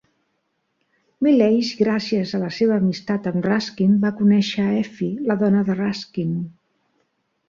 Millais gràcies a la seva amistat amb Ruskin, va conèixer a Effie, la dona de Ruskin.